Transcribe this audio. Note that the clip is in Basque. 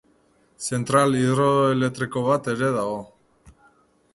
Zentral hidroelektriko bat ere dago.